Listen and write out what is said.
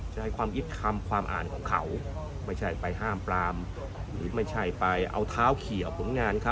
ใช้ความยึดคำความอ่านของเขาไม่ใช่ไปห้ามปรามหรือไม่ใช่ไปเอาเท้าเขียวผลงานเขา